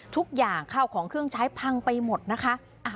ทุกอย่างข้าวของเครื่องใช้พังไปหมดนะคะ